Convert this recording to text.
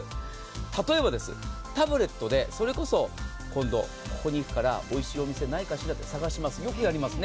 例えば、タブレットで、それこそ今度、ここに行くからおいしいお店がないかしらと探します、よくやりますね。